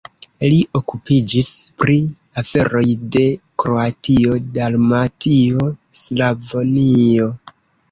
Li okupiĝis pri aferoj de Kroatio-Dalmatio-Slavonio.